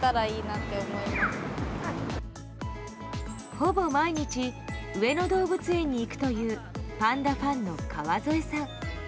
ほぼ毎日上野動物園に行くというパンダファンの川添さん。